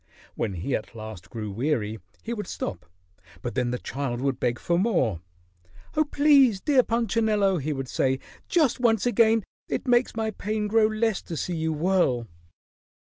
When he at last grew weary, he would stop, but then the child would beg for more. "Oh, please, dear Punchinello," he would say, "just once again. It makes my pain grow less to see you whirl."